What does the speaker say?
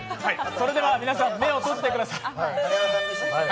それでは皆さん、目を閉じてください。